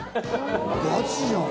ガチじゃん。